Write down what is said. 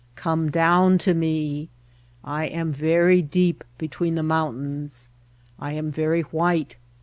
"Come down to me I I am very deep be tween the mountains. I am very white.